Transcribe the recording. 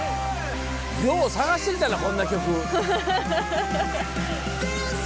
よう探してきたなこんな曲。